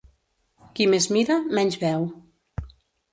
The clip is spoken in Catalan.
Qui més mira, menys veu.